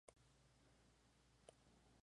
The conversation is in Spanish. Una gran oportunidad para darse a conocer.